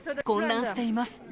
混乱しています。